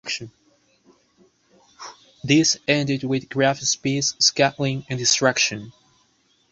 This ended with "Graf Spee"'s scuttling and destruction.